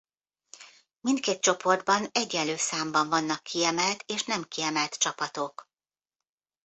Mindkét csoportban egyenlő számban vannak kiemelt és nem kiemelt csapatok.